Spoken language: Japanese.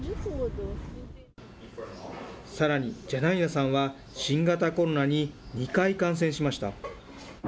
さらにジャナイナさんは、新型コロナに２回感染しました。